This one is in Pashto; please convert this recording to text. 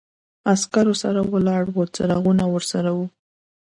عسکرو سره ولاړ و، څراغونه ورسره و.